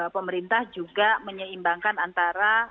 pemerintah juga menyeimbangkan antara